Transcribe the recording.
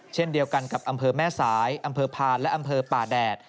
เช่นเดียวกันกับอำเภอแม่สายอำเภอพานและอำเภอป่าแดด